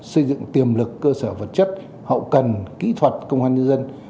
xây dựng tiềm lực cơ sở vật chất hậu cần kỹ thuật công an nhân dân